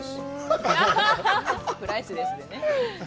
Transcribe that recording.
プライスレスでね。